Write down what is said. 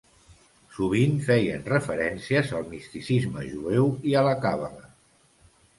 Sovint feien referències al misticisme jueu i a la càbala.